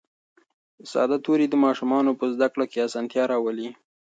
ساده توري د ماشومانو په زده کړه کې اسانتیا راولي